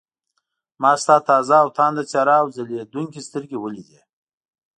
ما ستا تازه او تانده څېره او ځلېدونکې سترګې ولیدې.